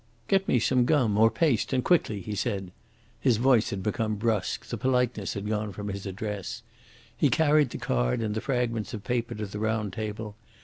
"Get me some gum or paste, and quickly," he said. His voice had become brusque, the politeness had gone from his address. He carried the card and the fragments of paper to the round table.